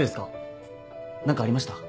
何かありました？